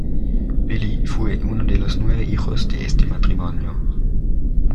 Billy fue uno de los nueve hijos de este matrimonio.